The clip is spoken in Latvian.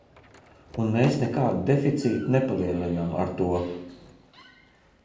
Un mēs nekādu deficītu nepalielinām ar to!